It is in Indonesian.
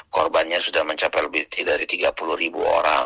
korbannya sudah mencapai lebih dari tiga puluh ribu orang